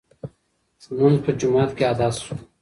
لمونځ په جومات کې ادا شو.